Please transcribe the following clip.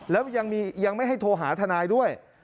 แล้วยังไม่ให้โทรหาทนายด้วย